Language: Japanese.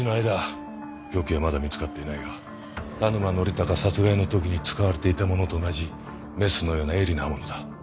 凶器はまだ見つかっていないが田沼典孝殺害の時に使われていたものと同じメスのような鋭利な刃物だ。